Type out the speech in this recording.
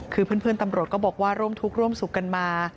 คือเพื่อนตำรวจก็บอกว่าร่วมทุกข์ร่วมสุขกันมา